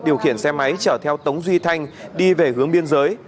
điều khiển xe máy chở theo tống duy thanh đi về hướng biên giới